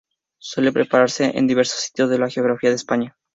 Suele prepararse en diversos sitios de la geografía de España.